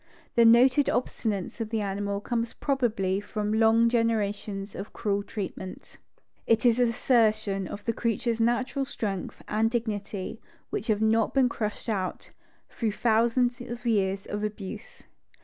The noted obstinacy of the animal comcs probably from long generations of cruel treatmcnt. It is 40 The Donkey Mammals an assertion of the creature's natural strength and dignity which have not been crushed out through thousands of years of abuse.